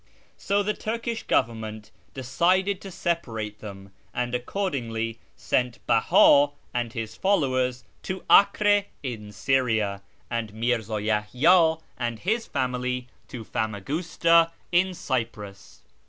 So the Turkish Government decided to separate them, and accordingly sent Beha and his followers to Acre in Syria, and Mirza Yahya and his family to sh/rAz 323 Famagusta in Cyprus.